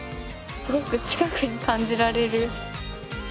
すごく近くに感じられる。